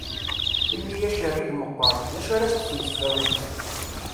Imi acerrig meqqaṛ, d acu ar as-d-teg tfawett?